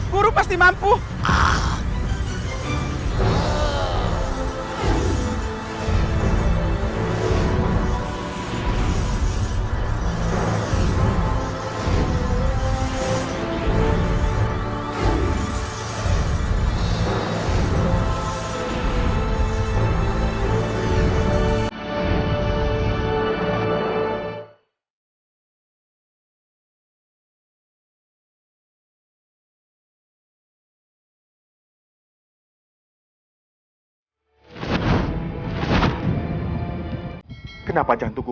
guru pasti mampu